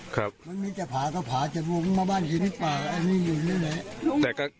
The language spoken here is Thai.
ต้องคิดจะผ่าหรือถูกผ่านหวังอยู่ที่นี่